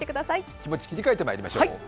気持ちを切り替えてまいりましょう。